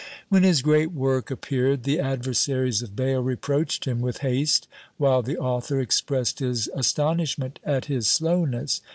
When his great work appeared, the adversaries of Bayle reproached him with haste, while the author expressed his astonishment at his slowness.